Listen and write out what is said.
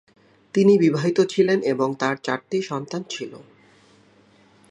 তিনি বিবাহিত ছিলেন এবং তাঁর চারটি সন্তান ছিল।